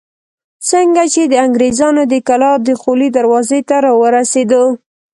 څنګه چې د انګرېزانو د کلا دخولي دروازې ته راورسېدو.